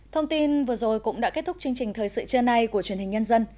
thông tin vừa rồi cũng đã kết thúc chương trình thời sự trưa nay của truyền hình nhân dân